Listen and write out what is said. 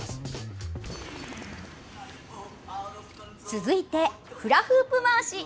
続いて、フラフープ回し。